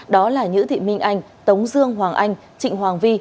đó là nhữ thị minh anh tống dương hoàng anh trịnh hoàng vi